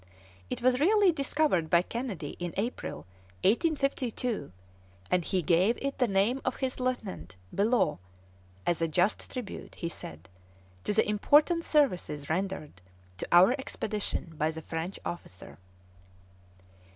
It was really discovered by Kennedy in April, 1852, and he gave it the name of his lieutenant, Bellot, as "a just tribute," he said, "to the important services rendered to our expedition by the French officer."